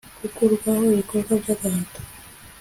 gukuraho ibikorwa by'agahato